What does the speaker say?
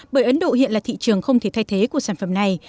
bởi ấn độ hiện là thị trường không thể thay thế của sản phẩm này